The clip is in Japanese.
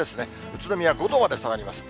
宇都宮５度まで下がります。